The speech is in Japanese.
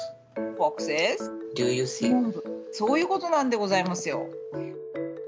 そういうことなんでございますよ！